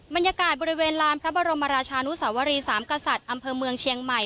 บรรยากาศบริเวณลานพระบรมราชานุสวรีสามกษัตริย์อำเภอเมืองเชียงใหม่